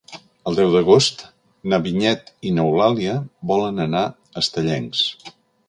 El deu d'agost na Vinyet i n'Eulàlia volen anar a Estellencs.